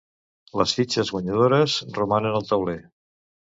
Les fitxes guanyadores romanen al tauler.